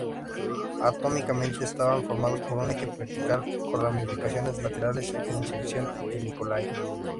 Anatómicamente estaban formados por un eje vertical con ramificaciones laterales en inserción helicoidal.